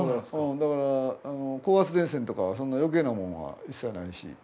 だから高圧電線とかはそんな余計なものは一切ないし。